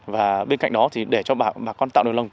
và bên cạnh đó thì để cho bà con tạo được lồng